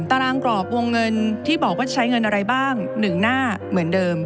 ตารางกรอบวงเงินที่บอกว่าใช้เงินอะไรบ้าง๑หน้าเหมือนเดิม